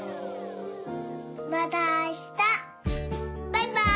バイバーイ。